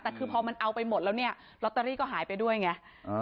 แต่คือพอมันเอาไปหมดแล้วเนี่ยลอตเตอรี่ก็หายไปด้วยไง